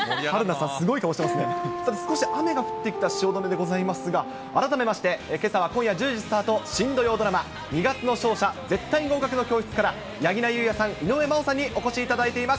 さて、少し雨が降ってきた汐留でございますが、改めまして、けさは今夜１０時スタート、新土曜ドラマ、二月の勝者ー絶対合格の教室から、柳楽優弥さん、井上真央さんにお越しいただいております。